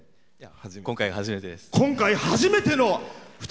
今回、初めてです。